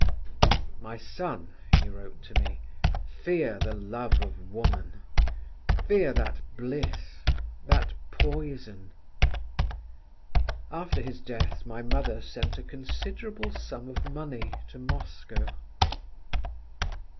"My son," he wrote to me, "fear the love of woman; fear that bliss, that poison…." After his death, my mother sent a considerable sum of money to Moscow.